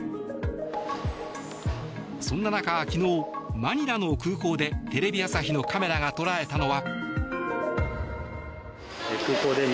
そんな中、昨日マニラの空港でテレビ朝日のカメラが捉えたのは。